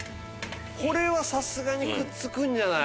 これはさすがにくっつくんじゃない？